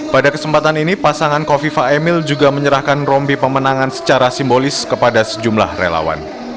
pada kesempatan ini pasangan kofifa emil juga menyerahkan rombi pemenangan secara simbolis kepada sejumlah relawan